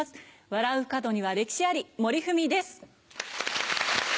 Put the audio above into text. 笑う門には歴史あり森富美です。